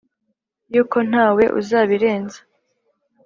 yuko ntawe uzabirenza